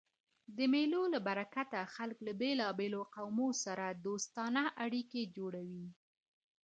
د مېلو له برکته خلک له بېلابېلو قومو سره دوستانه اړیکي جوړوي.